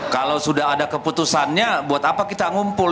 kalau sudah ada keputusannya buat apa kita ngumpul